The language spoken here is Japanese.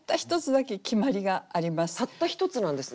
たったひとつなんですね？